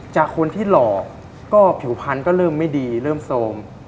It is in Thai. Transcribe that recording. จากคนที่หลอกก็ผิวพันธุ์ก็เริ่มไม่ดีเริ่มโซม